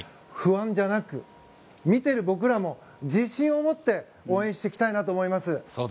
不安じゃなく、見ている僕らも自信を持って応援していきたいなと思います。